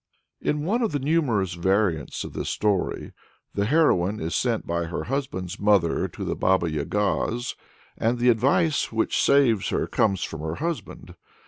In one of the numerous variants of this story the heroine is sent by her husband's mother to the Baba Yaga's, and the advice which saves her comes from her husband.